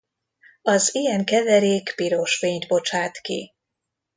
Az ilyen keverék piros fényt bocsát ki.